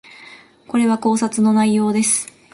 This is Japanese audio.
これは考察の内容です